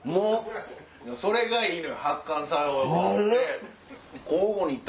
それがいいのよ